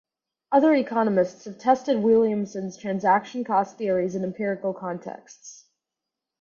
Other economists have tested Williamson's transaction-cost theories in empirical contexts.